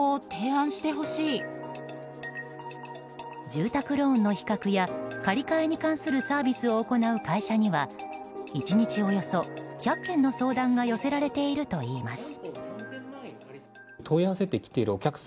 住宅ローンの比較や借り換えに関するサービスを行う会社には１日およそ１００件の相談が寄せられているといいます。